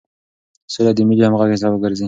سوله د ملي همغږۍ سبب ګرځي.